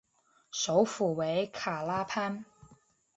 首府为卡拉潘。